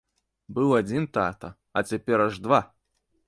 Быў адзін тата, а цяпер аж два!